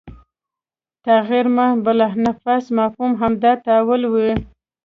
تغیر ما بالانفس مفهوم همدا تحول وي